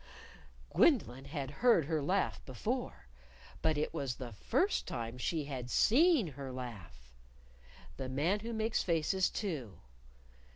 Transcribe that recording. ha! ha!" Gwendolyn had heard her laugh before. But it was the first time she had seen her laugh. The Man Who Makes Faces, too.